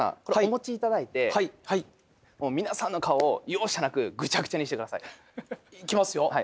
これお持ちいただいて皆さんの顔を容赦なくぐちゃぐちゃにしてください。いきますよ。